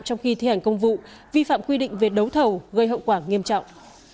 trong khi thi hành công vụ vi phạm quy định về đấu thầu gây hậu quả nghiêm trọng